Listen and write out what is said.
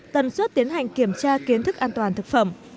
tầm suốt tiến hành kiểm tra kiến thức an toàn thực phẩm